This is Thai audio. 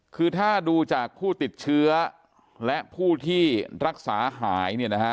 คือถ้าดูจากผู้ติดเชื้อและผู้ที่รักษาหาย